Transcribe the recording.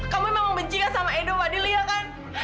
kamu memang benci kan sama ido fadhil ya kan